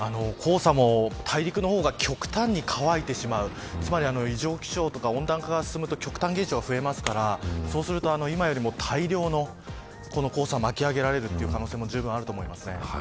黄砂も大陸の方が極端に乾いてしまうつまり、異常気象とか温暖化ガスなど極端な現象が増えますからそうすると今よりも大量の黄砂が巻き上げられる可能性はじゅうぶんあります。